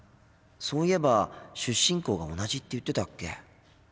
そう言えば出身校が同じって言ってたっけ。